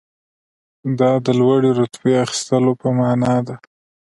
دا د لوړې رتبې اخیستلو په معنی ده.